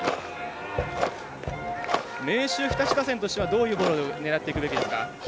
明秀日立打線としてはどういうボールを狙っていくべきですか？